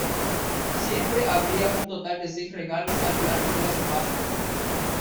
Siempre habría un total de seis regalos a lo largo de la subasta.